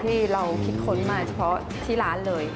ที่เราคิดค้นมาเฉพาะที่ร้านเลย